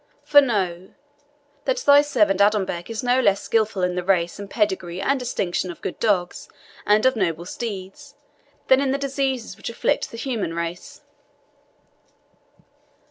For know, that thy servant Adonbec is no less skilful in the race and pedigree and distinctions of good dogs and of noble steeds than in the diseases which afflict the human race."